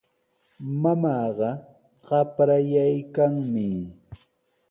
Mamaaqa qaprayaykanmi.